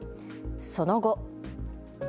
その後。